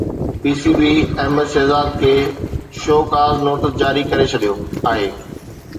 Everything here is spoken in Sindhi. P C B Ahmed Shahzad کي شوڪاز نوٽيس جاري ڪري ڇڏيو آهي